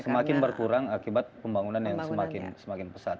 semakin berkurang akibat pembangunan yang semakin pesat